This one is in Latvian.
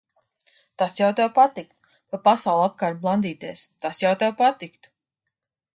Tas jau tev patiktu. Pa pasauli apkārt blandīties, tas jau tev patiktu.